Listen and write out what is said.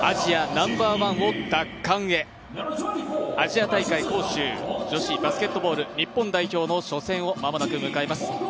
ナンバーワン奪還へアジア大会・杭州女子バスケットボール日本代表の初戦をまもなく迎えます。